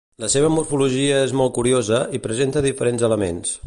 La seva morfologia és molt curiosa i presenta diferents elements.